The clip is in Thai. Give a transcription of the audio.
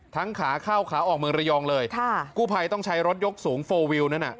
ขาเข้าขาออกเมืองระยองเลยค่ะกู้ภัยต้องใช้รถยกสูงโฟลวิวนั้นอ่ะ